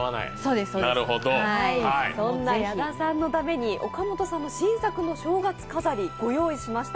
そんな矢田さんのために岡本さんの新作の正月飾りご用意しました。